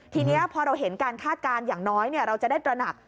ทีนี้พอเราเห็นการคาดการณ์อย่างน้อยเราจะได้ตระหนัก